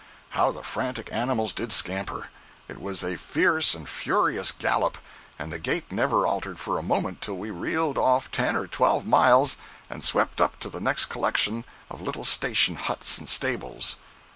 How the frantic animals did scamper! It was a fierce and furious gallop—and the gait never altered for a moment till we reeled off ten or twelve miles and swept up to the next collection of little station huts and stables.